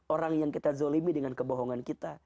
orang yang kita zolimi dengan kebohongan kita